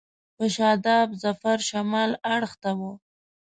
په شاداب ظفر شمال اړخ ته و.